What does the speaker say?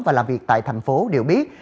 và làm việc tại thành phố đều biết